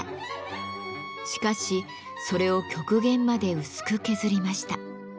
しかしそれを極限まで薄く削りました。